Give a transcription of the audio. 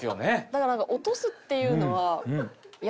だから落とすっていうのは。